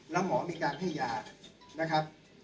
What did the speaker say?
และหมอมีการให้ยา